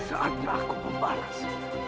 saatnya aku membalas